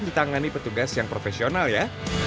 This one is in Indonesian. ditangani petugas yang profesional ya